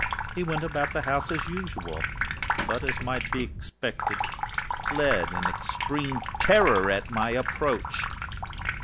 He went about the house as usual, but, as might be expected, fled in extreme terror at my approach.